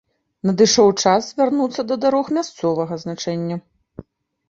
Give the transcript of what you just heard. Надышоў час вярнуцца да дарог мясцовага значэння.